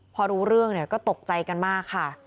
พอรู้เรื่องเนี่ยก็ตกใจกันมากค่ะ